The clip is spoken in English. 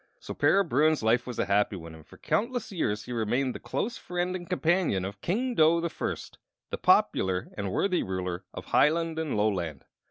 So Para Bruin's life was a happy one, and for countless years he remained the close friend and companion of King Dough the First, the popular and worthy ruler of Hiland and Loland.